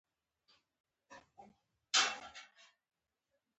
پنېر د عادت خوراک ګرځي.